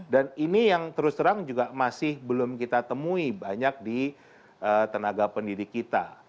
dan ini yang terus terang juga masih belum kita temui banyak di tenaga pendidik kita